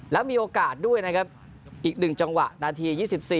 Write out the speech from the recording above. แล้วมีโอกาสด้วยอีกหนึ่งจังหวะนาที๒๔